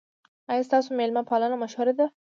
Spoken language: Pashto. ایا ستاسو میلمه پالنه مشهوره ده؟